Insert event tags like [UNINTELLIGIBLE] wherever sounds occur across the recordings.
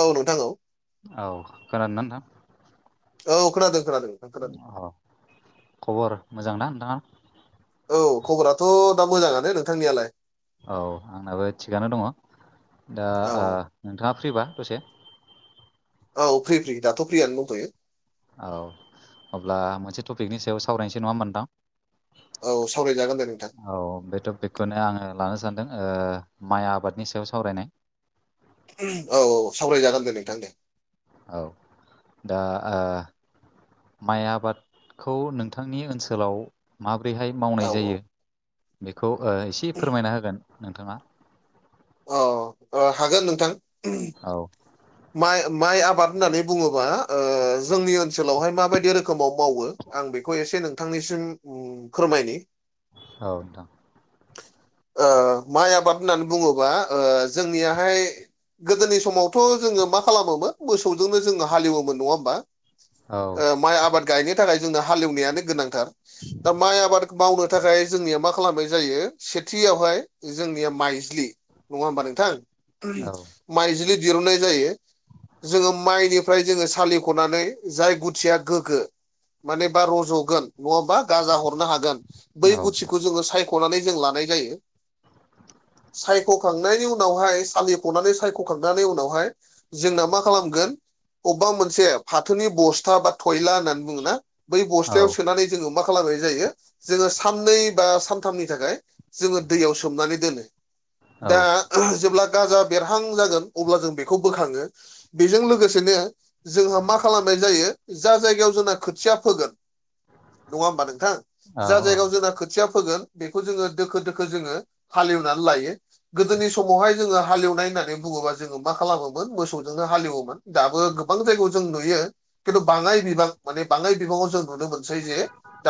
औ नोंथां औ औ खोनादोंना नोंथां? औ खोनादों खोनादों खोनादों अ खबर मोजां ना नोंथाङा औ खबराथ' दा मोजाङानो नोंथांनियालाय औ आंनाबो थिगानो दङ दा औ ओ औ नोंथाङा फ्रिबा दसे? औ फ्रि फ्रि दाथ' फ्रियनो दंथ'यो औ अब्ला मोनसे टपिकनि सायाव सावरायनोसै नङाम होनबा नोंथां? औ सावरायजागोन दे नोंथां औ बे टपिकखौनो आङो लानो सानदों माइ आबादनि सायाव सावरायनाय औ औ सावरायजागोन दे नोंथां दे औ दा ओ माइ आबादखौ नोंथांनि ओनसोलाव माबोरैहाय औ मावनाय औ जायो। बेखौ ओ एसे फोरमायना होगोन नोंथाङा? अ हागोन नोंथां औ माइ माइ आबाद होननानै बुङोबा ओ जोंनि ओनसोलावहाय माबायदि रोखोमाव मावो आं बेखौ एसे नोंथांनिसिम फोरमायनि औ दा ओ माइ आबाद होननानै बुङोबा ओ जोंनियाहाय गोदोनि समावथ' जोङो मा खालामोमोन मोसौजोंनो जोङो हालेवोमोन नङा होमबा औ ओ माइ आबाद गायनो थाखाय जोंनो हालेवनायानो गोनांथार दा माइ आबाद मावनो थाखाय जोंनिया मा खालामनाय जायो [UNINTELLIGIBLE] थियावहाय जोंनिया माइजलि नङा होमबा नोंथां औ माइजलि दिरुननाय जायो। जोङो माइनिफ्राय जोङो सालिख'नानै जाय गुथिया गोग्गो मानेबा रज'गोन नङाबा गाजा हरनो हागोन बै औ गुथिखौ जोङो सायख'नानै जों लानाय जायो। सायख'खांनायनि उनावहाय सालिफ'नानै सायख'खांनायनि उनावहाय जोंना मा खालामगोन अबेबा मोनसे फाथोनि बस्था बा टयला होननानै बुङोना बै औ बस्थायाव सोनानै जोङो मा खालामनाय जायो जोङो साननै बा सानथामनि थाखाय जोङो दैयाव सोमनानै दोनो दा जेब्ला गाजा बेरहां जागोन अब्ला जों बेखौ बोखाङो बेजों लोगोसेनो जोंहा मा खालामनाय जायो जा जायगायाव जोंना खोथिया फोगोन नङा होमबा नोंथां औ जा जायगायाव जोंना खोथिया फोगोन बेखौ जोङो दोखो दोखो जोङो हालेवनानै लायो गोदोनि समावहाय जोङो हालेवनाय होननानै बुङोबा जोङो मा खालामोमोन मोसौजोंनो हालेवोमोन दाबो गोबां जायगायाव जों नुयो खिन्थु बाङाय बिबां माने बाङाय बिबाङाव जों नुनो मोनसै जे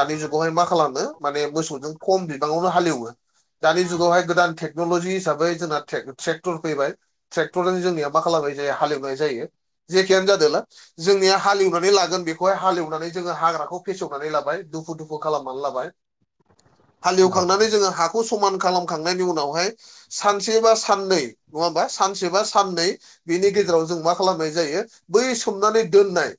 दानि जुगावहाय मा खालामो माने मोसौजों खम बिबाङावनो हालेवो दानि जुगावहाय गोदान टेक्नलजि हिसाबै जोंना थेक ट्रेक्टर फैबाय ट्रेक्टरानो जोंनिया मा खालामनाय जायो हालेवनाय जायो जेखियानो जादोला जोंनिया हालेवनानै लागोन बेखौहाय हालेवनानै जोङो हाग्राखौ फेसेवनानै लाबाय दुफु दुफु खालामनानै लाबाय [INAUDIBLE] हालेवखांनानै जोङो हाखौ समान खालामखांनायनि उनावहाय सानसे बा साननै नङा होमबा सानसे बा साननै बेनि गेजेराव जों मा खालामनाय जायो बै सोमनानै दोननाय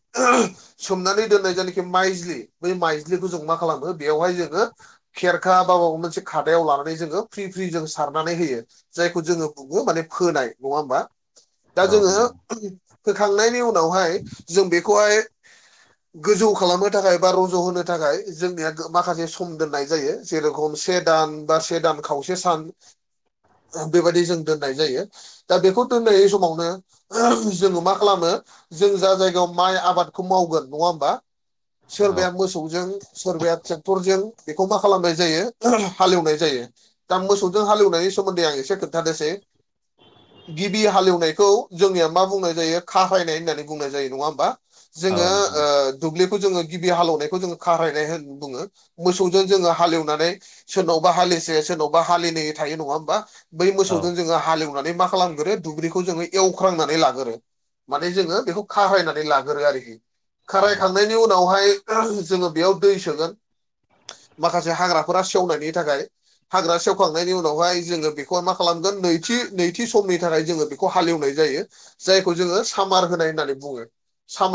सोमनानै दोननाय जेनाखि माइज्लि बै माइज्लिखौ जों मा खालामो बेयावहाय जोङो खेरखा बा माबा मोनसे खादायाव लानानै जोङो फ्रि फ्रि जों सारनानै होयो जायखौ जोङो बुङो माने फोनाय नङा होमबा दा औ जोङो नोंथां होखांनायनि उनावहाय जों बेखौहाय गोजौ खालामनो थाखाय बा रज होनो थाखाय जोंनिया गो माखासे सम दोननाय जायो जेरखम सेर दान बा से दान खावसे सान बेबायदि जों दोननाय जायो दा बेखौ दोननाय समावनो जोङो मा खालामो जों जा जायगायाव माइ आबादखौ मावगोन नङा होमबा औ सोरबाया मोसौजों सोरबाया थेक्टरजों बेखौ मा खालामनाय जायो हालेवनाय जायो दा मोसौजों हालेवनायनि सोमोन्दै आं एसे खोन्थानोसै गिबि हालेवनायखौ जोंनिया मा बुंनाय जायो खाहरायनाय होननानै बुंनाय जायो नङा होमबा औ जोङो नोंथां ओ औ दुब्लिखौ जोङो गिबि हालेवनायखौ जोङो खारायनाय होन बुङो मोसौजों जोङो हालेवनानै सोरनावबा हालिसे सोरनावबा हालिनै थायो नङा होमबा बै औ मोसौजों जोङो हालैवो नानै मा खालामगोरो दुब्रिखौ जोङो एवख्रांनानै लागोरो माने जोङो बेखौ खाहरायनानै लाग्रोयो आरोखि औ खारायखांनायनि उनावहाय जोङो बेयाव दै सोगोन माखासे हाग्रा फोरा सेवनायनि थाखाय हाग्रा सेवखांनायनि उनावहाय जोङो बेखौ मा खालामगोन नैथि नैथि समनि थाखाय जोङो बेखौ खौ हालेवनाय जायो जायखौ जोङो सामार होनाय होननानै बुङो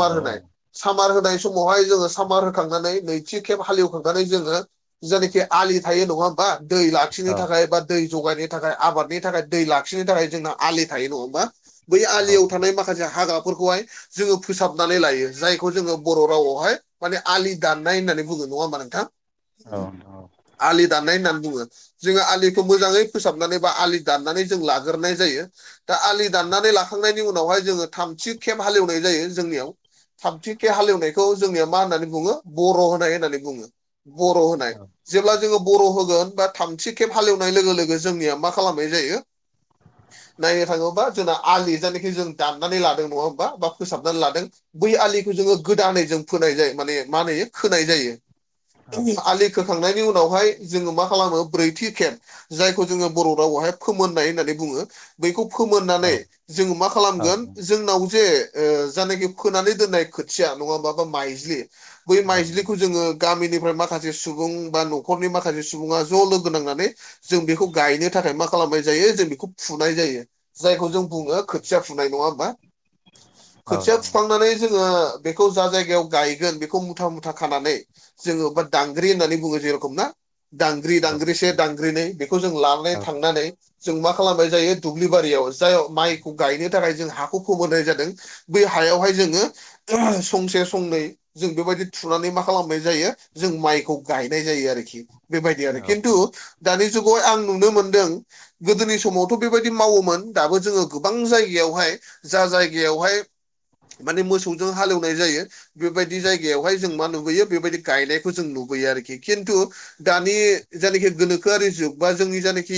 औ होनाय सामार होनाय समावहाय जोङो सामार होखांनानै नैथि खेब हालेवखांनानै जोङो जायनाखि आलि थायो नङा होमबा दै औ लाखिनो थाखाय एबा दै जगायनो थाखाय आबादनि थाखाय दै लाखिनो थाखाय जोंना आलि थायो नङा होमा बै औ आलियाव थानाय माखासे हाग्राफोरखौहाय जोङो फोसाबनानै लायो जायखौ जोङो बर रावावहाय माने आलि दाननाय होननानै बुङो नङा होमबा नोंथां औ नोंथां आलि दाननाय होननानै बुङो जोङो आलिखौ मोजाङै फोसाबनानै बा आलि दाननानै जों लाग्रोनाय जायो दा आलि दाननानै लाखांनायनि उनावहाय जोङो थामथि खेब हालेवनाय जायो जोंनियाव थामथिखे हालेवनायखौ जोंनिया मा होननानै बुङो बर होनाय होननानै बुङो बर होनाय औ जेब्ला जोङो बर होगोन बा थामथि खेब हालेवनाय लोगो लोगो जोंनिया मा खालामनाय जायो नायनो थाङोबा जोंना आलि जायनाखि जों दाननानै लादों नङा होमबा बा फोसाबनानै लादों बै आलिखौ जोङो गोदानै जों फोनाय जायो माने मा होनो खोनाय जायो जों आलि थांनायनि उनावहाय जोङो मा खालामो ब्रैथि खेब जायखौ जोङो बर रावावहाय फोमोननाय होननानै बुङो बैखौ औ फोमोननानै जोङो मा औ खालामगोन नोंथां जोंनाव जे ओ जानोखि फोनानै दोननाय खोथिया नङा होमबा बा माइज्लि बै औ माइज्लिखौ नोंथां जोङो गामिनिफ्राय माखासे सुबुं बा नखरनि माखासे सुबुङा ज लोगो नांनानै जों बेखौ गायनो थाखाय मा खालामनाय जायो जों बेखौ फुनाय जायो जायखौ जों बुंङो खोथिया फुनाय नंङा होमबा औ खोथिया नोंथां फुखांनानै जोंङो बेखौ जा जायगायाव गायगोन बेखौ मुथा मुथा खानानै जोंङो बा दांग्रि होननानै बुंङो जेरेखमनाा दांग्रि औ दांग्रिसे दांग्रिनै बेखौ जों लानानै औ थांनानै जों मा खालामबाय जायो दुब्लिबारियाव जाय माइखौ गायनो थाखाय जों हाखौ फोमोनाय जादों बै हायावहाय जोंङो संसे संनै जों बेबायदि थुनानै मा खालामनाय जायो जों माइक गायनाय जायो आरोखि बेबायदि आरो औ खिन्थु दानि जुगाव आं नुनो मोनदों गोदोनि समावथ' बेबायदि मावोमोन दाबो जोंङो गोबां जायगायावहाय जा जायगायावहाय माने मोसौजों हालेवनाय जायो बेबायदि जायगायावहाय जों मा नुबोयो बेबायदि गायनायखौ जों नुयो नुयो आरोखि खिन्थु दानि जायनाखि गोनोखोआरि जुग बा जोंनि जानोखि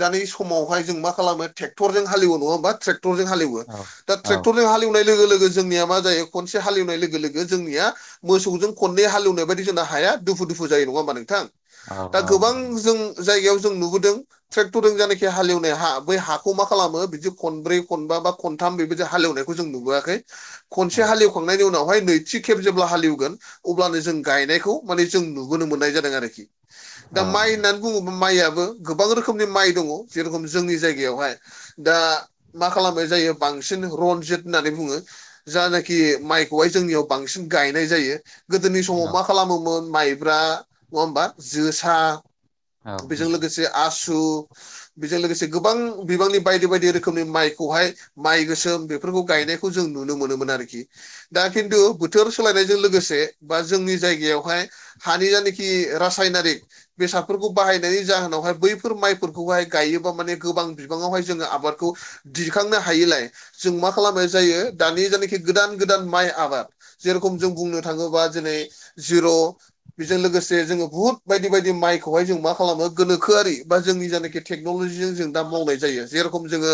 दानि समावहाय जों मा खालामो ट्रेक्टरजों हालिव नंङा होनबा ट्रेर ट्रेक्टरजों हालव दा औ नोंथां औ नोंथां औ ट्रेक्टरजों हालेवनाय लोगो लोगो जोंनिया मा जायो खनसे हालेवनाय लोगो लोगो जोंनिया मोसौजों खननै हालेवनाय बायदि जोंना हाया दुफु दुफु जायो नंङा होमबा नोंथां दा गोबां जों जायगायाव जों नुबोदों ट्रेक्टरजों जायाखि हालेवनाय हा बै हाखौ मा खालामो बिदि खनब्रै खनबा बा खनथाम बेबायदि हालेवनायखौ जों नुबोआखै खनसे हालेवखांनायनि उनावहाय नैथि खेब जेब्ला हालेवगोन अब्लानो जों गायनायखौ माने जों नुबोनो मोननाय जादों आरोखि दा माइ होननानै गुब माइआबो गोबां रोखोमनि माइ दंङ जेरेखम जोंनि जायगायावहाय दा मा खालामनाय जायो बांसिन रनजित होननानै बुंङो जानाखि माइखौहाय जोंनियाव बांसिन गायनाय जायो गोदोनि समाव मा खालामोमोन माइब्रा नंङा होमबा जोसा बेजों लोगोसे आसु बेजों लोगोसे गोबां बिबांनि बायदि बायदि रोखोमनि माइखौहाय माइ गोसोम बेफोरखौ गायनायखौ जों नुनो मोनोमोन आरोखि दा खिन्थु बोथोर सोलायनायजों लोगोसे बा जोंनि जायगायाव बेहाय हानि जानखि रासायनारि बेसादफोरखौ बाहायनायनि जाहोनावहाय बैफोर माइफोरखौहाय गायोबा माने गोबां बिबांङावहाय जोंङो आबादखौ दिखांनो हायिलाय जों मा खालामनाय जायो दानि जायनाखि गोदान गोदान माइ आबाद जेरखम जों बुंनो थाङोबा दिनै जिर' बेजों लोगोसे जोंङो बुहुत बायदि बायदि माइखौहाय जों मा खालामो गोनोखोआरि बा जोंनि जायनाखि टेक्नललिजों जों दा मावनाय जायो जेरखम जोंङो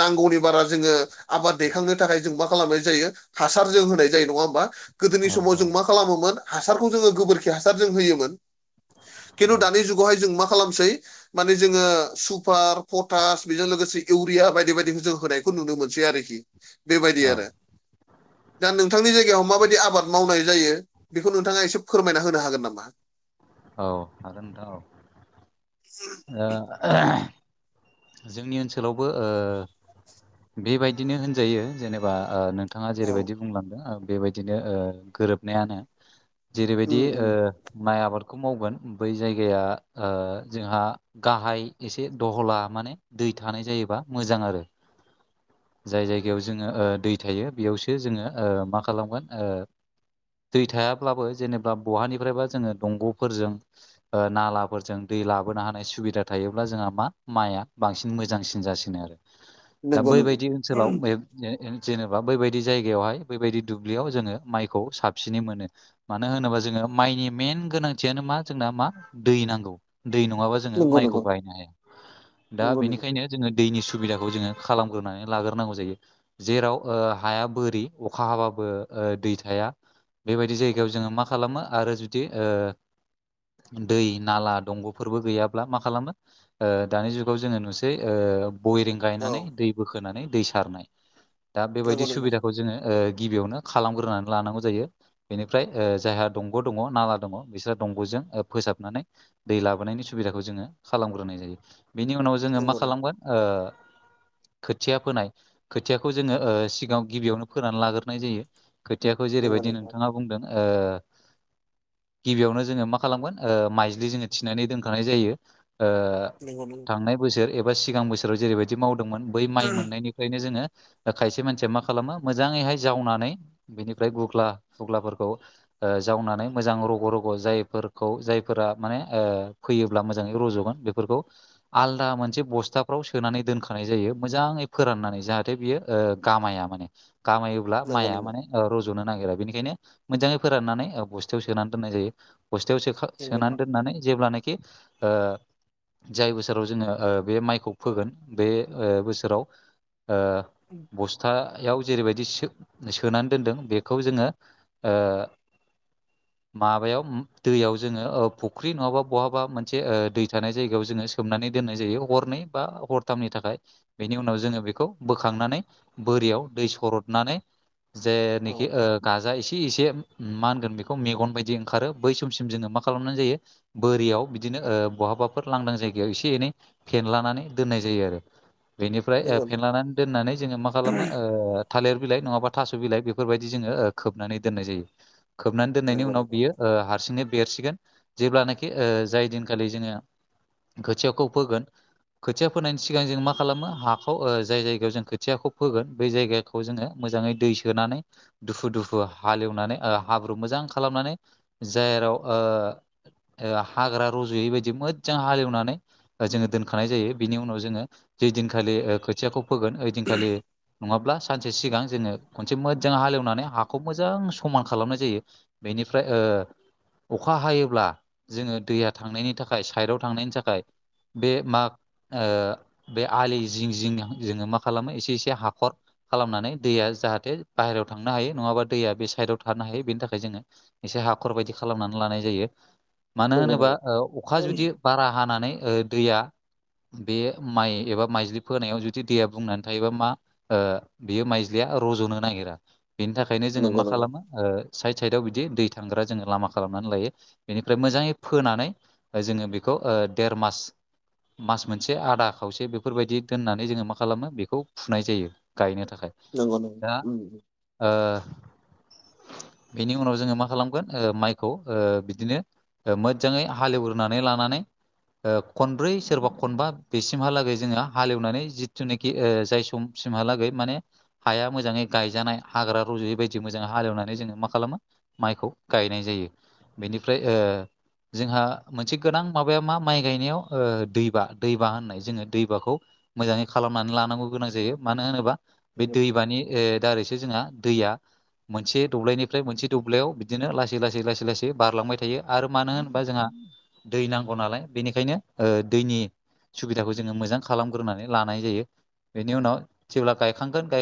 नांगौनि बारा जोंङो आबाद दैखांनो थाखाय जों मा खालामनाय जायो हासारजों होनाय जायो नंङा होमबा गोदोनि समाव जों मा खालामोमोन हासारखौ जोंङो गोबोरखि हासार जों होयोमोन खिन्थु दानि जुगावहाय जों मा खालामसै माने जोंङो सुपार पटास बेजों लोगोसे इउरिया बायदि बायदिखौ जों होनाय खौ नुनो मोनसै आरोखि बेबायदि आरो दा नोंथांनि जायगायाव माबायदि आबाद मावनाय जायो बेखौ नोंथांङा एसे फोरमायना होनो हागोन नामा औ आरो औ औ [UNINTELLIGIBLE] जोंनि ओनसोलावबो बेबायदिनो होनजायो जेनेबा बिथांङा औ जेरैबायदि बुंलांदों बेबायदिनो गोरोबनायानो जेरैबायदि उम उम माइ आबादखौ मावगोन बै जायगाया जोंहा गाहाय एसे दहला माने दै थानाय जायोबा मोजां आरो जाय जायगायाव जोंङो दै थायो बेयावसो जोंङो मा खालामगोन दै थायाब्लाबो जेनेबा बहानिफ्रायबा जोंङो दंग'फोरजों नालाफोरजों दै लाबोनो हानाय सुबिदा थायोब्ला जोंहा मा माइआ बांसिन मोजांसिन जासिनो आरो दा नंगौ नंगौ बैबायदि ओनसोलाव बे जेनेबा बैबायदि जायगायावहाय बैबायदि दुब्लियाव जोङो माइखौ साबसिनै मोनो मानो होनोबा जोङो माइनि मेन गोनांथियानो मा जोंना मा दै नांगौ दै नङाबा जों जोङो नंगौ माइखौ नंगौ बायनो हाया दा नंगौ नंगौ बेनिखायनो जोङो दैनि सुबिदाखौ जोङो खालामग्रोनानै लाग्रोनांगौ जायो जेराव हाया बोरि अखा हाबाबो दै थाया बेबायदि जायगायाव जोङो मा खालामो आरो जुदि ओ दै नाला दंग'फोरबो गैयाब्ला मा खालामो ओ दानि जुगाव जोङो नुसै ओ बयेरिं औ गायनानै दै बोखोनानै दै सारनाय दा बेबायदि नंगौ नंगौ सुबिदाखौ जोङो ओ गिबियावनो खालामग्रोनानै लानांगौ जायो बेनिफ्राय जायहा दंग' दङ नाला दङ बिस्रा दंग'जों फोसाबनानै दै लाबोनायनि सुबिदाखौ जोङो खालामग्रोनाय जायो बेनि उनाव जोङो मा नंगौ खालामगोन ओ खोथिया फोनाय खोथियाखौ जोङो ओ सिगाङाव गिबियावनो फोनानै लाग्रोनाय जायो। खोथियाखौ नंगौ जेरैबायदि नंगौ नोंथाङा बुंदों ओ गिबियावनो जोङो मा खालामगोन ओ माइज्लि जोङो थिनानै दोनखानाय जायो। ओ [UNINTELLIGIBLE] थांनाय बोसोर एबा सिगां बोसोराव जेरैबायदि मावदोंमोन बै माइ मोननायनि ओंखायनो जोङो खायसे मानसिया मा खालामो मोजाङैहाय जावनानै बेनिफ्राय गुग्ला गुग्लाफोरखौ जावनानै मोजां र रग' रग' जायफोरखौ जायफोरा माने फैयोब्ला मोजाङै रज'गोन बेफोरखौ आलदा मोनसे बस्थाफ्राव सोनानै दोनखानाय जायो मोजाङै फोराननानै जाहाथे बियो गामाया माने गामा ब्ला नंगौ नंगौ माइया माने रज'नो नागिरा बेनिखायनो मोजाङै फोराननानै बस्थायाव सोनानै दोननाय जायो बस्थायाव सोखा-सोनानै दोननानै जेब्लानाखि जाय बोसोराव जोङो बे माइखौ फोगोन बे बोसोराव ओ बस्था याव जेरैबायदि सोनानै दोनदों बेखौ जोङो ओ माबायाव दैयाव जोङो ओ फुख्रि नङाबा बहाबा मोनसे ओ दै थानाय जायगायाव जोङो सोमनानै दोननाय जायो हरनै बा हरथामनि थाखाय। बेनि उनाव जोङो बेखौ बोखांनानै बोरियाव दै सरदनानै जेनोखि गाजा एसे एसे मा होनगोन बेखौ मेगन बायदि दि ओंखारो बै समसिम जोङो मा खालामनाय जायो बोरियाव बिदिनो ओ बहाबाफोर लांदां जायगायाव एसे एनै फेनलानानै दोननाय जायो आरो बेनिफ्राय नंगौ फेनलानानै दोननानै जोङो मा खालामो ओ थालिर बिलाइ नङाबा थास' बिलाइ बेफोरबायदि जोङो खोबनानै दोननाय जायो खोबनानै नंगौ औ दोननायनि नंगौ नंगौ उनाव बियो ओ हारसिंनो बेरसिगोन जेब्लानाखि ओ जाय दिनखालि जोङो खोथियाखौ फोगोन खोथिया फोनायनि सिगां जों मा खालामो हाखौ जाय जायगायाव जों खोथियाखौ फोगोन बै जायगानि खौ जोङो मोजाङै दै सोनानै दुफु दुफु हालेवनानै हाब्रु मोजां खालामनानै जेराव ओ हाग्रा रज'यैबायायदि मोजां हालेवनानै जोङो दोनखानाय जायो बिनि उनाव जोङो जै दिनखालि खोथियाखौ फोगोन ओइ दिनखालि नङाब्ला सानसे सिगां जोङो खनसे मोजां हालेवनानै हाखौ मोजां समान खालामनाय जायो बेनिफ्राय ओ अखा हायोब्ला जोङो दैया थांनायनि थाखाय साइडआव थांनायनि थाखाय बे माग ओ बे आलि जिं जिं जोङो मा खालामो एसे एसे हाखर खालामनानै दैया जाहाथे बाहेरायाव थांनो हायो नङाबा दैया बे साइदाव थानो हायो बेनि थाखाय जोङो एसे हाखर बायदि खालामनानै लानाय जायो मानो नंगौ नंगौ नंगौ होनोबा अखा जुदि बारा हानानै ओ दैया बे माइ एबा माइज्लि फोनायाव जुदि दैया बुंनानै थायोबा मा ओ बियो माइज्लिया रज'नो नागिरा बेनि थाखाय ओंखायनो जोङो मा नंगौ खालामो ओ साइड साइडआव बिदि दै थ थांग्रा जोङो लामा खालामनानै लायो बेनिफ्राय मोजाङै फोनानै जोङो बेखौ ओ देर मास मास मोनसे आदा खावसे बेफोरबायदि दोननानै जोङो मा खालामो बेखौ फुनाय जायो। गायनो थाखाय। नंगौ। दा ओ बेनि उनाव जोङो मा खालाम गोन ओ माइखौ ओ बिदिनो मोजाङै हालेवग्रोनानै लानानै ओ खनब्रै सोरबा खनबा बेसिमहालागै जोंहा हालेवनानै जिथुनाखि ओ जाय सम सिमहालागै माने हाया मोजाङै गायजानाय हाग्रा रजयै बायदि मोजाङै हालेवनानै जोङो मा खालामो माइखौ गायनाय जायो बेनिफ्राय ओ जोंहा मोनसे गोनां माबाया मा माइ गायनायाव ओ दैबा दैबा होननाय जोङो दैबाखौ मोजाङै खालामनानै लानांगौ गोनां जायो मानो होनोबा बे नंगौ दैमानि ओ दारैसो जोंहा दैया मोनसे दब्लायनिफ्राय मोनसे दब्लायाव बिदिनो लासै लासै लासै लासै बारलांबाय थायो आरो मानो होनोबा जोंहा दै नांगौ नालाय बेनिखायनो ओ दैनि सुबिदाखौ जोङो मोजां खालामग्रोनानै लानाय जायो बेनि उनाव जेब्ला गायखांगोन